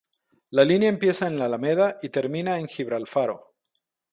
La línea empieza en la Alameda, y termina en Gibralfaro.